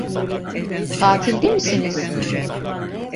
Tatilde misiniz?